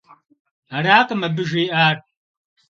Аракъым абы жиӏар.